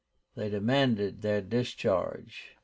They demanded their discharge.